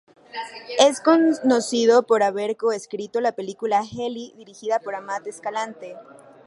Es conocido por haber co escrito la película Heli dirigida por Amat Escalante.